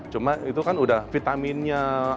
cuma itu kan udah vitaminnya